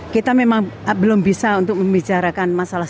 kita memang belum bisa untuk membicarakan masalah